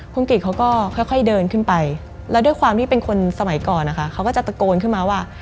คุณกิจเขาก็ค่อยเดินขึ้นไปแล้วด้วยความที่เป็นคนสมัยก่อนนะคะเขาก็จะตะโกนขึ้นมาว่า